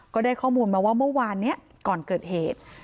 ก็ได้ข้อมูลมาว่าเมื่อวานนี้ก่อนเกิดเหตุ